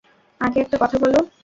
আগে একটা কথা বলো।